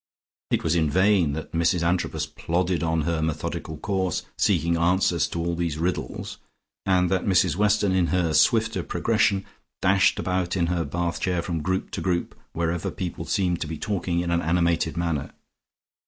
It was in vain that Mrs Antrobus plodded on her methodical course, seeking answers to all these riddles, and that Mrs Weston in her swifter progression dashed about in her bath chair from group to group, wherever people seemed to be talking in an animated manner.